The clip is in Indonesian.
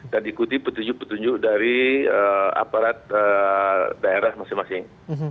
dan diikuti petunjuk petunjuk dari aparat daerah masing masing